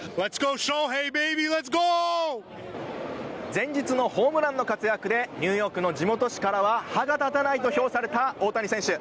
前日のホームランの活躍でニューヨークの地元紙からは歯が立たないと評された大谷選手。